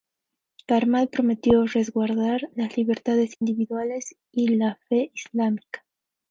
Karmal prometió resguardar las libertades individuales y la fe islámica.